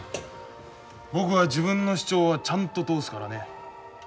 僕は自分の主張はちゃんと通すからね。